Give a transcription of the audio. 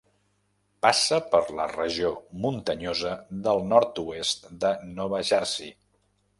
Passa per la regió muntanyosa del nord-oest de Nova Jersey.